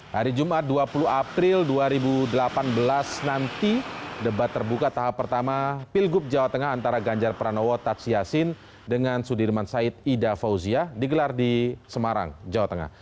hari jumat dua puluh april dua ribu delapan belas nanti debat terbuka tahap pertama pilgub jawa tengah antara ganjar pranowo tadsyasin dengan sudirman said ida fauzia digelar di semarang jawa tengah